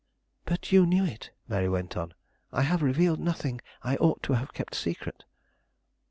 "But you knew it?" Mary went on. "I have revealed nothing I ought to have kept secret?"